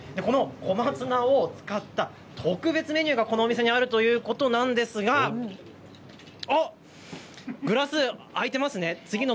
この小松菜を使った特別メニューがこの店にあるということなんですが、グラス空いていますね。